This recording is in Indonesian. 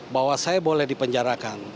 bahwa saya boleh dipenjarakan